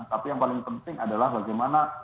tapi yang paling penting adalah bagaimana